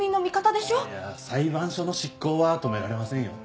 いや裁判所の執行は止められませんよ。